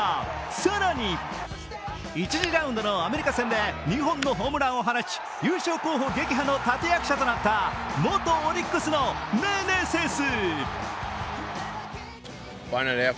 更に１次ラウンドのアメリカ戦で２本のホームランを放ち、優勝候補撃破の立役者となった元オリックスのメネセス。